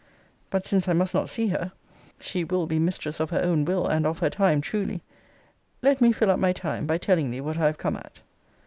But since I must not see her, [she will be mistress of her own will, and of her time, truly!] let me fill up my time, by telling thee what I have come at.